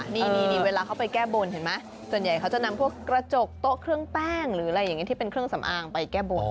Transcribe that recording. นี่เวลาเขาไปแก้บนเห็นไหมส่วนใหญ่เขาจะนำพวกกระจกโต๊ะเครื่องแป้งหรืออะไรอย่างนี้ที่เป็นเครื่องสำอางไปแก้บน